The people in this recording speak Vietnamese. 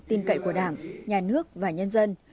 tin cậy của đảng nhà nước và nhân dân